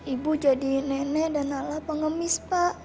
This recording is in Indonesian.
ibu jadi nenek dan anak pengemis pak